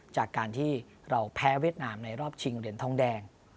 จากการที่เราแพ้เวียดนามในรอบชิงเหรียญทองแดง